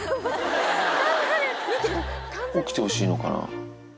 起きてほしいのかな？